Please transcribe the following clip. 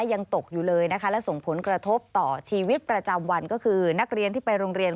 ยังตกอยู่เลยนะคะและส่งผลกระทบต่อชีวิตประจำวันก็คือนักเรียนที่ไปโรงเรียน